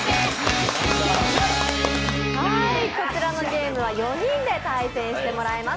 こちらのゲームは４人で対戦してもらいます。